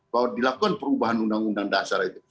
bahwa dilakukan perubahan undang undang dasar itu